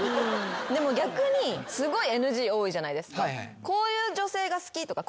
でも逆にすごいＮＧ多いじゃないですか。